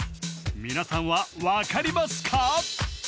皆さんは分かりますか？